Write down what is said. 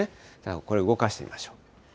これを動かしてみましょう。